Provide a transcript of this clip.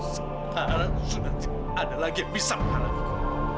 sekarang sudah ada lagi yang bisa menghalangiku